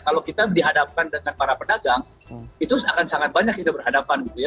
kalau kita dihadapkan dengan para pedagang itu akan sangat banyak kita berhadapan gitu ya